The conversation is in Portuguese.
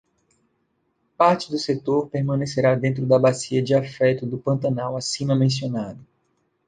Parte do setor permanecerá dentro da bacia de afeto do pantanal acima mencionado.